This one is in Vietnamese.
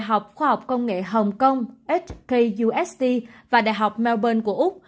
đại học khoa học công nghệ hồng kông hkust và đại học melbourne của úc